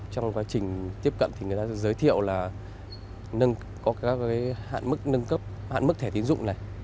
trong quá trình tiếp cận người ta giới thiệu là có các hạn mức thẻ tiến dụng này